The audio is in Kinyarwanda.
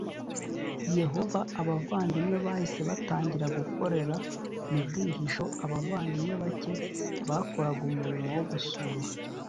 Yehova abavandimwe bahise batangira gukorera mu bwihisho abavandimwe bake bakoraga umurimo wo gusura